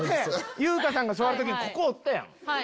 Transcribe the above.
優香さんが座る時にここおったやん。